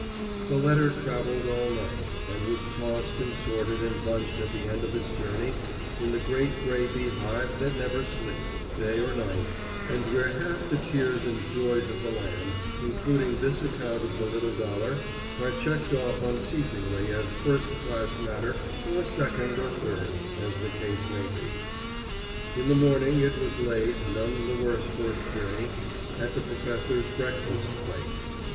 The letter traveled all night, and was tossed and sorted and bunched at the end of its journey in the great gray beehive that never sleeps, day or night, and where half the tears and joys of the land, including this account of the little dollar, are checked off unceasingly as first class matter or second or third, as the case may be. In the morning it was laid, none the worse for its journey, at the professor's breakfast plate.